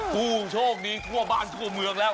ทุกวันโอ้โฮโชคดีทั่วบ้านทั่วเมืองแล้ว